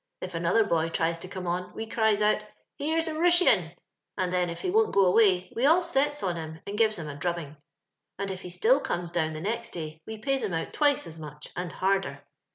'" If another boy tries to come on we cries out, * Here's a Kooshian,' and then if he wont go away, we all sets on him and gives him a drubbing; and if he still comes down the next day, we pays him out twice as much, and harder.